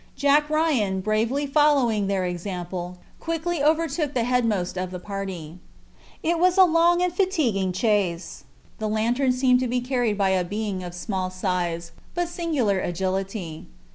Jack Ryan, bravely following their example, quickly overtook the head most of the party. It was a long and fatiguing chase. The lantern seemed to be carried by a being of small size, but singular agility.